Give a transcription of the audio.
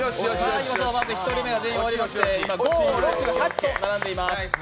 １人目は全員終わりまして、５、６、８と並んでいます。